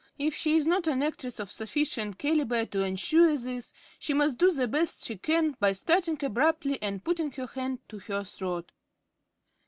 If she is not an actress of sufficient calibre to ensure this, she must do the best she can by starting abruptly and putting her hand to her throat.